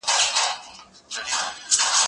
زه پرون شګه پاکوم!.